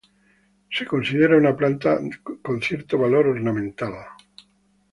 Es considerada una planta cierto valor ornamental.